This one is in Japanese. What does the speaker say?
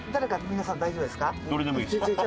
皆さん大丈夫ですか？